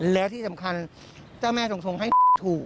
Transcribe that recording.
แล้วที่สำคัญเจ้าแม่ทรงทรงให้ถูก